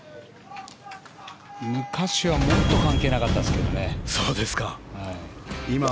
昔はもっと関係なかったんですけどね。